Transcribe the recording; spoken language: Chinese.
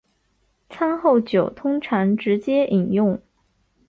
餐后酒通常直接饮用。